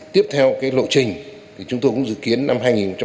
tiếp theo cái lộ trình thì chúng tôi cũng dự kiến năm hai nghìn hai mươi